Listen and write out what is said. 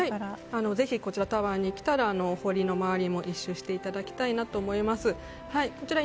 ぜひこちら、タワーに来たらお堀の周りも１周していただきたいなと。